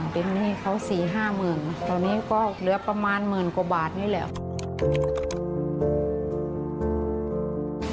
เป็นหนี้เขา๔๕๐๐๐ตอนนี้ก็เหลือประมาณหมื่นกว่าบาทนี่แหละ